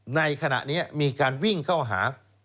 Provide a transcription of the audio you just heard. ในขณะนี้มีการวิ่งเข้าหา